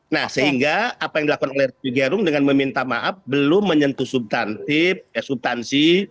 nah sehingga apa yang dilakukan oleh rokigerung dengan meminta maaf belum menyentuh subtansi